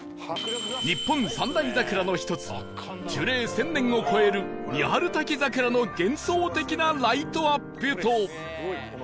日本三大桜の一つ樹齢１０００年を超える三春滝桜の幻想的なライトアップと